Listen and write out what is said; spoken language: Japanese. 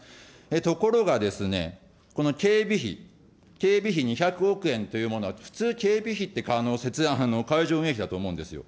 ところがですね、この警備費、警備費２００億円というものは、普通、警備費って、会場運営費だと思うんですよ。